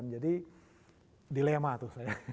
jadi dilema tuh saya